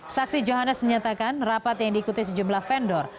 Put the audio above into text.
saksi johannes menyatakan rapat yang diikuti sejumlah vendor